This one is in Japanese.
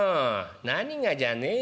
何がじゃねえよおめえ。